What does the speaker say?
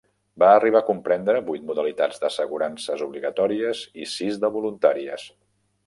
Va arribar a comprendre vuit modalitats d'assegurances obligatòries i sis de voluntàries.